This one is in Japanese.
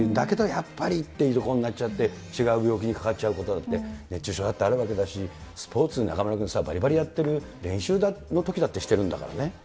やっぱりっていうところになって、違う病気にかかっちゃうことだって、熱中症だってあるわけだし、スポーツ、中丸君、ばりばりやってる練習のときだってしてるんだからね。